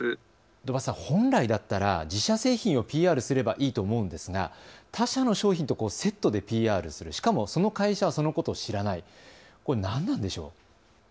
土橋さん、本来だったら自社製品をＰＲすればいいと思うのですが他社の商品とセットでＰＲする、しかもその会社はそのことを知らない、これ、何なんでしょうか。